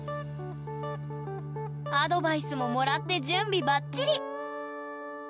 アドバイスももらって準備ばっちり！